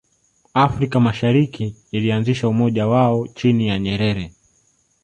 afrika mashariki ilianzisha umoja wao chini ya nyerere